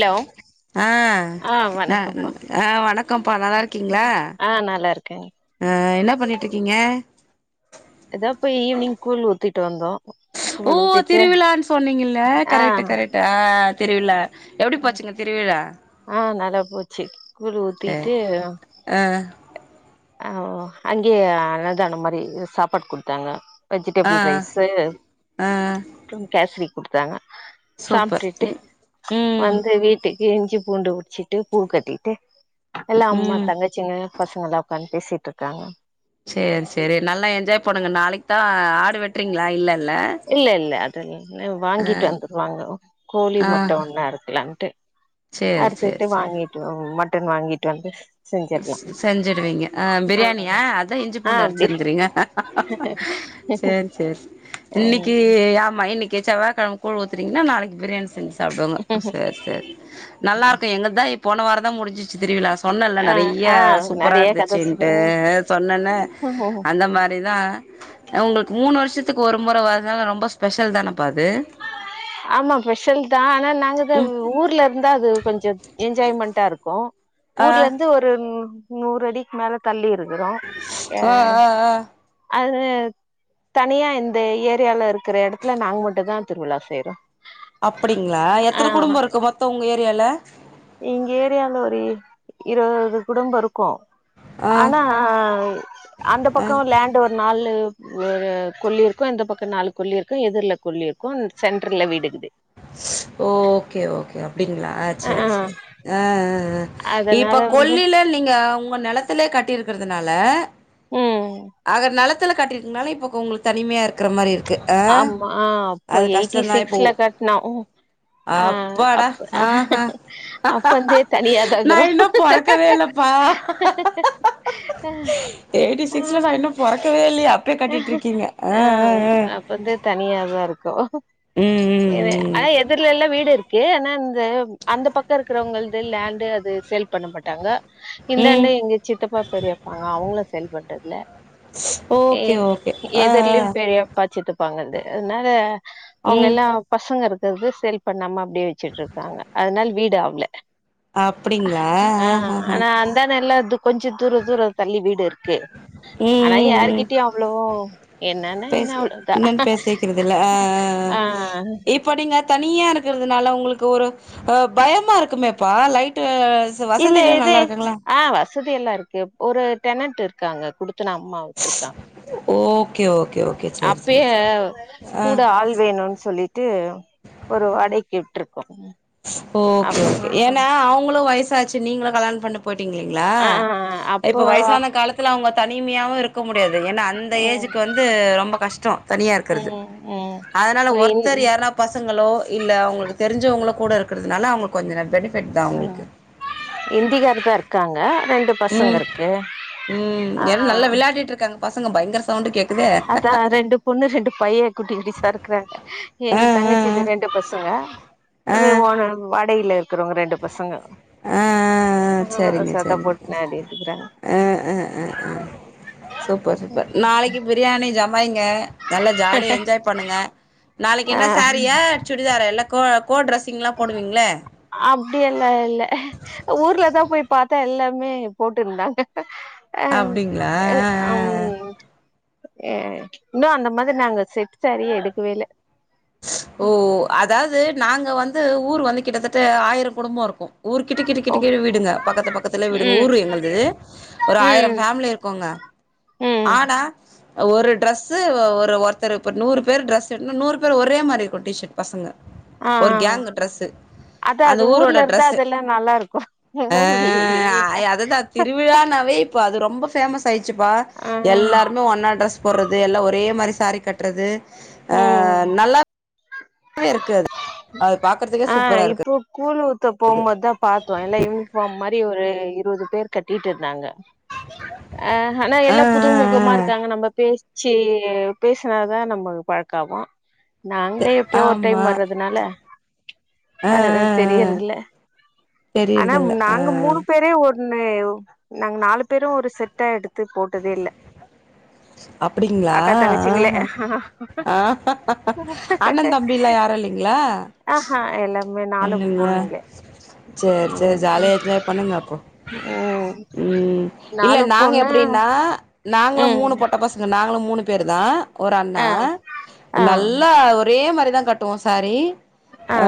Hello ஆஹ் ஆ வணக்கம்ப்பா ஆஹ் வணக்கம்ப்பா நல்லா இருக்கீங்களா ஆ நல்லா இருக்கேங்க அஹ் என்ன என்ன பண்ணிட்டு இருக்கீங்க ஏதாவது போய் ஈவினிங் கூல் உஊத்து விட்டு வந்தோம் ஓ திருவிழான்னு சொன்னீங்கல்ல கரெக்ட் கரெக்ட் அ திருவிழா எப்டி போச்சுங்க திருவிழா ஆஹ் நல்லா போச்சு கூழ் சரி ஊத்திட்டு ஆ ஆஹ் அங்கயே அன்னதான மாதிரி சாப்பாடு குடுத்தாங்க ஆ வெஜிடபிள் ரைஸ் ஆ மற்றும் கேசரி கொடுத்தாங்க சூப்பர் சாப்ட்டுட்டு ம் ம் வந்து வீட்டுக்கு எரிஞ்சு பூண்டு உறிச்சிட்டு பூ கட்டிட்டு எல்லாம் அம்மா ம் தங்கச்சிங்க பசங்களா ன் பேசிட்டு இருக்காங்க சேரி சேரி நல்லா என்ஜாய் பண்ணுங்க நாளைக்கு தான் ஆடு வெட்டுறீங்களா இல்ல இல்லே இல்லே அது [unintelligible] ஆ வாங்கிட்டு வந்துருவாங்க கோழி ஆ மட்டும் ஒண்ணு அருக்கலான்ட்டு சேரி சேரி அறுத்துட்டு சேரி வாங்கிட்டு ட்டன் வாங்கிட்டு வந்து செஞ்சிடலா செஞ்சுடுவீங்க ஆஹ ஆ பிரியாணியா அதான் இஞ்சி ஆ பூண்டு அப்டி அருத்துருக்கறீங்க சேரி சேரி இன்னைக்கு ஆமா இன்னைக்கு செவ்வா கிழம கூல் ஊத்துறீங்ன்னா நாளைக்கு பிரியாணி செஞ்சு சாப்படுவாங்க சரி சரி நல்லா இருக்கும் எங்கதான் இப்ப போன வாரம் தான் முடிஞ்சுரு திருவிழா சொன்னேன்னல ஆ நா நிறைய ஆ சூப்பராக நெறைய கத இருந்துச்சுட்டு சொன்னீங்க சொன்னேன்ன அந்த மாதிரி தான் உங்களுக்கு மூணு வருஷத்துக்கு ஒரு முறை வருதுனால ரொம்ப ஸ்பெஷல் தானப்பா அது ஆமா ஸ்பெஷல் தான் ஆனா நாங்கதா ம் ஊர்ல இருந்தா அது கொஞ்சம் என்ஜாய்மெண்ட்டா இருக்கும். ஆ ஊர்ல இருந்து ஒரு ம் நூர் அடிக்கு மேல தள்ளி இரு ஊருதா ஆ ஏய் ஆ ஆ அது தனியா இந்த ஏரியாவுல இருக்குற எடத்துல நாங்க மட்டும் தான் திருவிழா செய் [inaudible] அப்டிங்களா எத்தன குடும்பம் இருக்கு மொத்தம் உங்க ஏரியால எங்க ஏரியால ஒரு இருவது குடும்போ இருக்கும் ஆ ஆனா அந்த பக்கம் லேண்டு ஒரு நாலு வே கொல்லி இருக்கும் இந்த பக்கம் நாலு கொல்லி இருக்கும் எதிர்ல கொல்லி இருக்கும் அண் சென் டர்ல வீடுக்குது ஓகே ஓகே அப்டிங்களா ஆ ஆ சேரி சேரி ஆஹ்ஹ அதனால இப்ப வந்து கொல்லில நீங்க உங்க நெ நெலத்துல கட்டியிருக்கறதுனால ம் அதநெலத் லு காட்டியிருக்கர்துனால இப்ப உங்களுக்கு தனிமையா இருக்க மாரி இருக் ஆமா அப்போ எயிட்டி தான் இப்போ. சிக்ஸ்ல கட்ன அ ஓ ஆ அப்பாடா! அப்ப ஆஹா! அப்போந்தே தனியா தா இருக்குறோ நான் இன்னும் பொறக்கவே இல்லப்பா. நான் இன்னும் [unintelligible] கட்டிட்ருக்கீங்க. ஆ, ஆ, ஆஹ் ஆ. அப்பந்து தனியாதா இருக்கோ ம், ம், ம். ஆனா எதிர்லல்லா வீடு இருக்கு ஆனா இங்க அந்த பக்க இருக்குறவங்கள்து லேண்டு அது சேல் பண்ண மாட்டாங்க ம். இந்தாண்ட எங்க சித்தப்பா பெரியப்பா அவங்களோ சேல் பண்றதில்ல ஏ ஓகே, ஓகே. ஆ, ஆ. எதிர்லயு பெரியப்பா சித்தப் ப்பாங்க அதுனால ம். அவுங்கெல்லா பசங்க இருக் அதாவது சேல் பண்ணாம அப்டியே வெச்சுட்டு இருக்காங்க அதனால வீட்டு இருக்காங்க அப்டிங்களா அ அ ஹா கொஞ்சோ தூர தூர தள்ளி வீடு இருக் க்கு ஆனா யாருக் கேட்டே அவ்ளோ என்னென்ன என்ன பேசு அவ்ளோ தா என்னன்னு பேசிக்கிறது இல்ல ஆ அ அ அ இப்ப நீங்க தனியா இருக்கறதுனால உங்களுக்கு ஒரு அ பயமா இருக்குமேப்பா லைட்டு இல்ல வசதிலா இது நல்லா இருக்குங்களா அ வசதி எல்லா இருக்கு ஒரு டெனட் இருக்காங்க குடுத் தனோ அம்மா விட்ருக்கா ஓகே ஓகே ஓகே சேரி சேரி அப்பயே சேரி கூட ஆ ஆள் வேணுன் சொல்லி விட்டு ஒரு வாடைக்கு விட்ருக் ஓகே ஓகே ஏன்னா அவுங்களு வயசு சாச்சு நீங்களு கல்யாணோ பண்ணி போய்ட்டீங்கிங்கலா ஆ ஆ அப்போ இப்போ வயசான காலத்துல அவங்க தனிமையாவு இருக்க முட் டியாது ஏன்னா அந்த ம் ஏஜ்ஜுக்கு வந்து ரொம்ப கஷ்டோ தனியா இருக்கறது ம் ம் அதனால ஒரு இந் ஒருத்தர் யார்னா பச துங்களோ இல்ல அவங்களுக் தெரிஞ்சவங்களோ கூட இருக்கறதுனால அவங்க கொஞ்ச நே ஆ இந்திகாருதா இருக்காங்க ஆனா இப் ரெண்டு ம் பசங்கருக்கு அ அங்க பசங்க பயங்கர சவுண்ட் கேக் அத ரெண்டு பொண்ணு ரெண்டு பைய குட்டி குட்டிஸ்ஸா இருக்கறாங்க ஆ எங் ஆ தங்கச்சிது ரெண்டு பசங்க ஆ ஆ அது ஆ ஒண்ணு வாடெய்ல இருக் ருக்குறோ ரெண்டு பசங்க அ அ அ ஆ செரிங்க சத்த செரிங்க போட்டு நாடிட்டு இருக்கறாங்க அ அ அ அ சூப்பர் சூப்பர் நாளக்கி பிரியாணி நானே ஜமாய்ங்க, நல்லா ஜாலியா என்ஜாய் பண்ணுங்க. நாளைக்கி ஆ என்ன சாரீயா? சுடிதாரா? எல்லா கொழப் கோ ட்ரெஸ்ஸிங்லா போடுவீங்ள அப்டியெல்லா இல்ல ஊர்ல தா போய் பாத்தா எல்லாமே போட் இருந்தாங்க அப்டிங்ளா அ அ அ அ ஏ இன்னு அந்த மாரி நாங்க செட் சாரீ எடுக்கவே இல்ல ஓ அதாவது நாங்க வந்து ஊர் வந்து கிட்டத்தட்ட ஆயிர குடும்போ இருக்கு ஊர் கிட்ட கிட்ட ஓ கிட்டு கிட்டு வீடுங்க, பக்கத்து பக்கத்லயே வீடுங்க ம் ஊரு எங்குளுது ஒரு ஆயிர ம் ஃபேமிலி இருக்குங்க. ம் ஆனா ஒரு ட்ரெஸ்ஸு ஒரு ஒருத்தரு இப்ப நூறு பேரு ட்ரெஸ் எடுக்னா நூறு பேரு ஒரே மாரி இருக்கு டிஷர்ட் பசங்க ஆ ஒரு ஆ ஆ கேங் ட்ரெஸ்ஸு. அதா அந்த அது ஊரோட ஊர்ல இருந்தா ட்ரெஸ்ஸு. அதெல்லா நல்லா இருக்கு ஆ ஊர்ல்லயே இல்லயே அதுதான் திருவிழானாவே இப்ப அது ரொம்ப பேமஸ் சாயிடுச்சுப்பா எல்லாருமே ஒண்ணா ட்ரெஸ் போடறது எல்லா ஒரே மாரி சேரி கட்றது ஆ ம் நல்லா வே இருக்கு அது அது பாக்கறதுக்கே சூப்பரா இருக்கு. கூல் ஊத்த போம்போ தா பாத்தோ எல்லா யூனிஃபார்ம் மாரி சுத்தி ஒரு இருவது பேர் கட்டிட்டு இருந்தாங்க. அ ஹ ஏனா ஆ ஆ எல்லா புதுமுகமா ஆ இருக்காங்க நம்ம பேசி சே பேசுனாதா நம்மளு பழக்க ஆவு நாங்களே எப்பயோ ஒரு டைம் ஆமா வர்றதுனால ஆ ஆ அ ஆ தெரியறதில்ல ஆனா தெரியறதில்ல ஆ நாங்க மூணு பேரே ஒரு இன்னயு நாங்க நாலு பேரு ஒரு செட்டா எடுத்து போட்டதே இல்ல. அப்டிங்ளா அக்கா தங்கச்சிங்களே ஆ ஆ அண்ணந் தம்பிலா யாரு இல்லீங்ளா? ஆஹ்ஹா எல்லாமே நாலும் பொண்ணுங்ளே சேரி சேரி ம் ஜாலியா என்ஜாய் பண்ணுங்க அப்போ ம் ம் இல்ல நாலு நாங்க பொண்ணு எப்டின்னா நாங்களும் ம் மூணு பொட்ட பசங்க நாங் களு மூணு பேர் தா ஒரு அண்ணா ஆ ஆ நல்லா ஒரே மாரி தா கட்டுவோ சேரி ஆ அ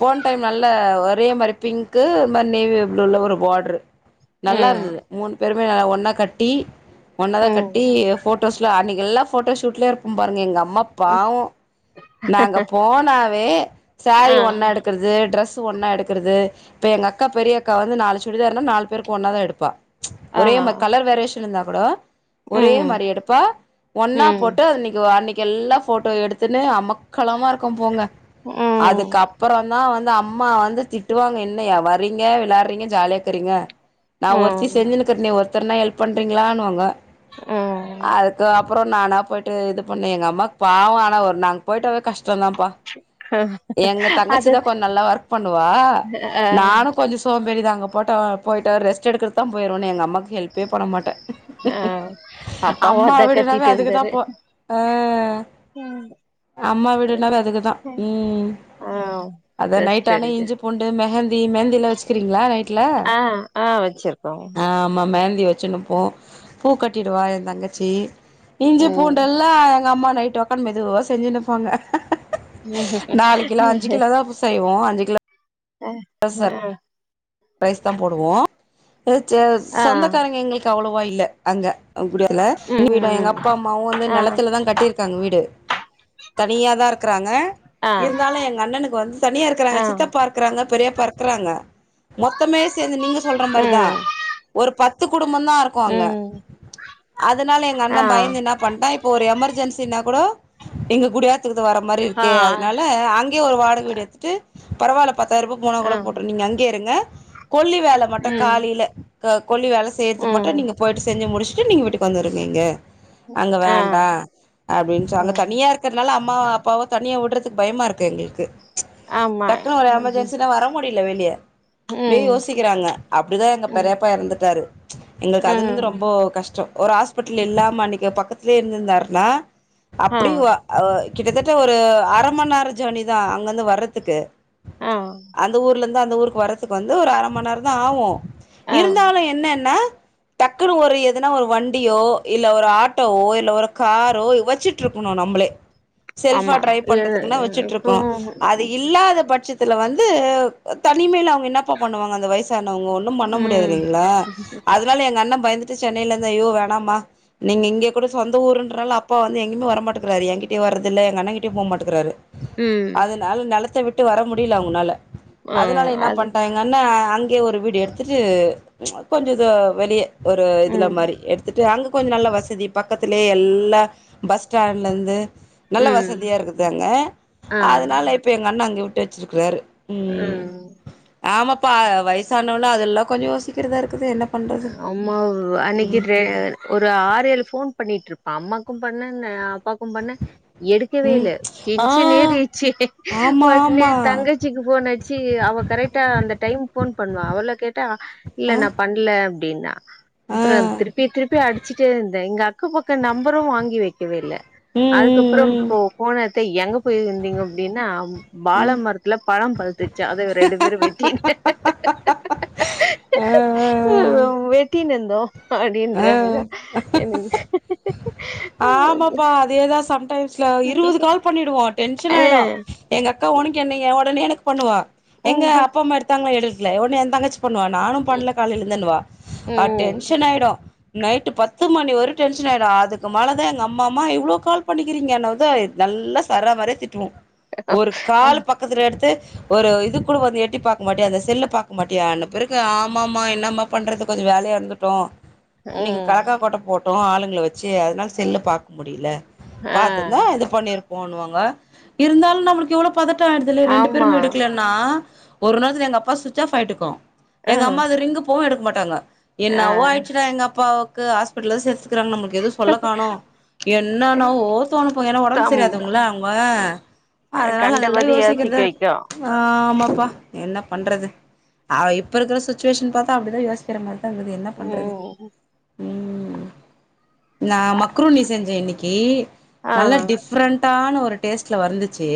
போன டைம் நல்ல ஒரு ஒரே மாரி பிங்க்கு இந்த மாதிரி நேவி ப்ளூல ஒரு பார்டரு நல்லா ம் இருந்துது மூணு திருவிழா ல ஒன்னா கட்டி ஒன்னதா ம் கட்டி அன்னைக்கு எல்லா ஃபோட்டோ ஷூட்லயே இருப்பம் பாருங்க எங்க அம் மா பாவ நாங்க போனா வே சாரி ஆ ஒன்னா எடுக்குறது ட்ரெஸ் து ஒன்னா எடுக்கிறது இப்ப எங்க அக்கா பெரிய அக்கா வந்து நாலு சுடிதார்னா இருா நாலு பேருக்கு ஒன்னா தா எடுப்பா ஆ ஒரே ம கலர் வேரியேஷன் இருந்தா கூட ஒரே ம் மாரி எடுப் ப்பா ஒன்னா ம் போட்டு அது அன்னைக் அன்னைக் கு எல்லா போட்டோ எடுத்துன்னு அமக் கலமா இருக்கு போங்க அதுக்கு ம் அப்பறந் தா வந்து அம்மா வந்து திட்டுவாங்க என்ன வர்றீங்க விளையாட்றீங்க ஜாலியா இருக்குறீங்க நா ஒருத்தி ம் செஞ்சினுக்றனே ஒருத் தர்னா ஹெல்ப் பண்றீங்களான்னுவாங்க ம் அதுக்கு அப்பற நானா போயிட்டு இது பண்ணு எங்க அம்மாக்கு பாவம் ஆனா ஒரு நாங்க போயிட்டாவே கஷ் ஷ்டந்தாப்பா எங்க தங்கச்சி அது தா கொஞ்ச நல்லா ஒர்க் பண்ணுவா ஆ நானு கொஞ்சம் சோம்பேறி தா அங்க போட்ட போயிட்டா ரெஸ்ட் எடுக்கறக்த்தா போயிருவுனு எங்க அம்மாக்கு ஹெல்ப்பே பண்ண மாட்ட ஆ அப்பாவு அம்மா அதா வீடுனாவே கத்திட்டு அதுக்குதா இருந்தாரு போ ஆ அம்மா வீடுனாவே அதுக்குதா ம் ஆ அத ரெஸ்ட் நைட் ஆனா எடுக்க இஞ்சி பூண்டு மெஹந்தி மெஹந்தி எல்லாம வச்சிக்றீங்களா நைட் ஆ ஆ வச்சிருக்கோ தி வச்சுனுப்போ பூ கட்டிடுவா எந்த தங்க ச்சி இஞ்சி ம் பூண்டெல்லா எங்க அம்மா நைட் டு ஒக்காந்து மெதுவா செஞ்சுனுப்பாங்க நாலு கிலோ அஞ்சு கிலோ தா அப்போ செய்வோ அஞ் அஞ்சி கிலோ அ ஆ ரைஸ் தா போடுவோ அ ச ஆ சொந்தக்காரங்க எங்களுக்கு அவ்ளோ வா இல்ல அங்க அப்படியால அங்க ம் ம் வீட எங்க ம் அப்பா அம்மாவு வந்து ஆ நெலத்துல தா கட்டிருக்காங்க வீடு தனியா தா இருக்றாங்க ஆ இருந்தாலு எங்க அண்ணனுக்கு வந்து தனியா இருக்கிறாங்க ஆ சித்தப்பா இருக்குறாங்க பெரியப் ப்பா இருக்றாங்க மொத்தமே சேந்து நீங்க சொல்ற மாரிதா ம் ஒரு பத் து குடு டும்பதா இருக்கோ அங்க ம் அதனால எங்க அண்ண ஆ பயந்து என்ன பண்டா இப்ப ஒரு எமர் ஜென்சின கூடோ எங்க கூடயாது கிட்டு வர மாரி ஆ இருக்கே அதனால அங்கேயே ஒரு வாடக வீடு எடுத்து பரவால்ல பத்தாயிரருபா போன ஆ கூட போட்டு நீங்க அங்கேயே இருங்க கொல்லி வேல மட்டு ம் காலில க கொல்லி வேல செய்யிறதுக்கு ம் மட்டு நீங்க போயிட்டு செஞ்சு முடிச்சுட்டு நீங்க வீட்டுக்கு வந்துருங்க இங்க அங்க ஆ வேண்டா அப்படின்னு சொ அங்க ம் தனியா இருக்கறனால அம்மா அப்பாவு தனியா விடுறது து பயமா இருக்கு எங்களுக்கு ஆமா டக்குன்னு ஒரு ம் எமர்ஜென்சினா வர முடில வெளிய அப்டியே ம் யோசிக்கிறாங்க அப்படிதா எங்க பெரியப்பா எறந்துட்டாரு எங்களுக்கு அதுல இருந்து ம் ரொம்ப கஷ்டோ ஒரு ஹாஸ்பிட்டல் இல்லாம அன்னிக்கி பக்கத்து திலயே இருந்திருந்தாருனா அப்படி ஆ வ [unintelligible] கிட்டத்தட்ட ஒரு அரமண்நேரோ ஜனி தா அங்கந்து வர்றதுக்கு ஆ அந்த ஊர்ல இருந்து தா அந்த ஊருக்கு வரத் துக்கு வந்து ஒரு அரை மண்நேர தா ஆகு ஆ இருந்தாலு என்னன்னா டக்குன்னு ஒரு எதுனா ஒரு வண்டியோ இல்ல ஒரு ஆட்டோவோ இல்ல ஒரு காரோ வச்சுட்டு இருக்கணு நம்மளே செல்ஃபா ஆமா டிரைவ் எ பண்றதுக்குன்ன வச்சுட்டு இப்போ இருக்கோ அது இல்லாத பட்சத் இதுல வந்து தனிமைல அவங் என்னப்பா பண்ணுவாங்க அந்த வயசான அவுங்க ஒண்ணும் பண்ண முடியாது ம் இல்லீங்களா அதனால எங்க அண்ண பயந்து ட்டு சென்னையிலெந்து ஐயோ வேணாமா நீங்க இங்கே கூட சொந்த ஊருன்றனால அப்பா வந்து எங்கயுமே வர மாட்டேக்குறாரு எங்கிட்டயே வரதில்ல எங்க அண்ணங்கிட்டயும் போமாட்டுகுறாரு ம் அதனால நெலத்தை விட்டு விட்டு வர முடியல அவுங்கனால அ அது அ அங்கயே ஒரு வீடியோ எடுத்துட்டு கொஞ்ச தோ வெளிய ஒரு இதில ம் மாரி எடுத்துட் டு அங்க கொஞ்சம் நல்லா வசதி பக்கத்துலயே எல்லா பஸ் ஸ்டாண்ட்லேந்து நல்லா ம் வசதியா இருக்குது அங்க ஆ அதனால இப்ப எங்க அண்ண அங்க விட் ட்டு வச்சிருக்குறாரு உம் ஆமாப்பா வயசானவளா அதெல்லா கொஞ்சம் யோசிக்கிறதா இருக்குது என்ன பண்றது ஆமா அன்னிக்கு ம் ட்ரே ஒரு ஆறு ஏழு ஃபோன் பண்ணிட்டுருப்பான் அம்மாக்கும் பண்ணன்ன அப் பாக்கும் பண்ணே எடுக்கவே ம் இல்ல ஆ டென்ஷன் ஏறிட்ச்சு ஆமா ஒட்னே ஆமா என் தங்கச்சிக்கு போனடிச்சி அவ கரெக்டா அந்த டைம் ஃபோன் பண்ணா அவள கேட் டா இல்ல ஆ நான் பண்ல அப்படின்னா ஆ அப்றம் திருப்பி திருப்பி அடிச்சுட்டே இருந்தேன் இங்க அக்கம் பக்கம் நம்பரும் வாங்கி வெக்கவே இல்ல ம் அதுக்கப்பறம் ம் இப்போ போனத்தை எங்க போயிருந்தீங்க அப்படின்னா ம் பால ம் மரத்துல பழம் பழுத்துரு ச்சு அத ரெண்டு பேரும் வெட்டி ஆ வெட்டின் இந்தோம் ஆ அப்படின்றாங்க ஆ எனக்கு ஆமாப்பா அதேதான் சம்டைம் ஸ்ல இருபது கால் பண்ணிடுவா டென்ஷன் ஆ ஆயிடும் எங்க அக்கா உனக்கு என்னய ஒடனே எனக்கு பண்ணுவா எங்க ம் அப்பா அம்மா எடுத்தாங்களா எடு இல்ல ஒட்னே என் தங்கச்சி பண்ணுவா நானும் ம் பண்ணல காலைலெந்துன்னுவா அ ம் டென்ஷன் ஆயிடும் நைட்டு பத்து மணி வறையு டென்ஷன் ஆயிடும் அதுக் கு மேலைதான் எங்க அம்மா அம்மா இவ்ளோ கால் பண்ணிக்கிறீங்க என்னவுதான் நல்லா சராமாரியா திட்டுவாங்க ஒரு கால் பக்கத்துல எடுத்து ஒரு இது கூட வந்து எட்டி பாக்க மாட்டியா அந்த செல்லு பாக்க மாட்டியா அன்ன பிறகு ஆமாம்மா என்னம்மா பண்றது கொஞ்சம் வேலையா இருந்துட்டோம் இன்னைக்கு காக்கா போட்ட போட் ஆளுங்களை வச்சு சரி அதனால் செல்ல பார்க்க முடியல ஆ பார்த்த தான் இது பண்ணிருப்பேன் போண்ணுவாங்க இருந்தாலும் நம்மளுக்கு எவ்வளவு பதட்டம் ஆயிரத்துல்ல ரெண்டு ஆமா பேருமே எடுக்கலன்னா ஒரு நேரத்து எங்கப்பா சுவிட்ச ஆகிட்டும் ஆ எங்க அம்மா அது ரிங்க் போவும் எடுக்க எடுக்க மாட்டாங்க ஆ என்னவோ ஆயிடுச்சுடாஎங்க அப்பா ஹாஸ்பிடல் சேத்துருக்காங்க நம்ளுக்கு சொல்ல காணோம் என்னென்னா ஓ தோணும் ஏன்னா உடம்பு தம் சரியாதவங்கள அவங்க அதனால அதெல்லாம் கண்டபதி யோசிக்க யோசிக்கத வைக்கு ஆமாப் ப்பா என்ன பண்றது இப்ப இருக்கிற சிச்சுவேஷன் பார்த்தா அப்படிதான் யோசிக்கிற மாதிரி க்குது என்ன பண்றது ம் ம் நா மக்ரூனி செஞ்ச இன்னக்கி ஆ நல்ல டிஃப்ரெண்ட்டான ஒரு டேஸ்ட்ல வந்துச்சு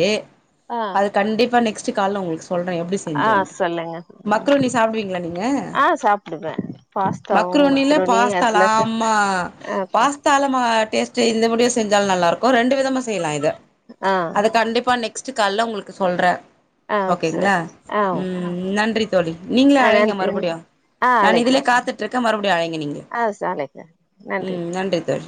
ஆ அது கண்டிப்பா நெக்ஸ்ட் கால்ல உங்ளுக்கு சொல்ற எப்டி ஆ செஞ்சண்ட்டு சொல்லுங்க ம் மக்ருன்னி சாப்டுவிங்ளா நீங்க ஆ சாப்டுவே பாஸ்தாவு மக்ருன்னினா மக்ரோனி பாஸ்தா அதுலா ச ஆமா ஆ பாஸ்தால மா டேஸ்ட்டு இந்த முறையு செஞ்சாலு நல்லார்க்கு ரண்டு விதமா செய்லா இத ஆ அது கண்டிப்பா நெக் ஸ்ட்டு கால்ல உங்களுக்கு சொல்ற ஆ ஓகேங்ளா சரி ஆ ம் நன்றி தோழி நீங்களே ஆ அழைங்க நன்றிங்க மறுபடியு ஆ நான் அழைக்கிறே இதுலயே காத்துட்ருக்க மறுபடியு அழைங்க நீங்க ஆ ச அழைக்கிறே ம் ம் நன்றி தோழி